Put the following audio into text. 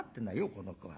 この子は。